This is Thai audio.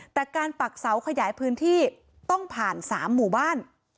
แต่การปักเสาขยายพื้นที่ต้องผ่าน๓หมู่บ้าน